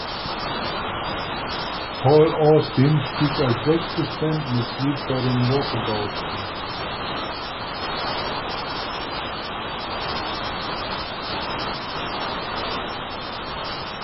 Paul Austin stieg als sechstes Bandmitglied bei den Walkabouts ein.